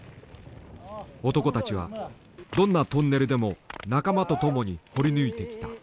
男たちはどんなトンネルでも仲間と共に掘り抜いてきた。